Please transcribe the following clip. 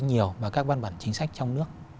nhiều vào các văn bản chính sách trong nước